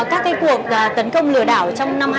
các cái cuộc tấn công lừa đảo trong năm hai nghìn hai mươi ba